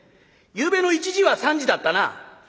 「ゆうべの１時は３時だったな？」。